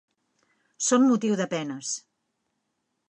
Són motiu de penes.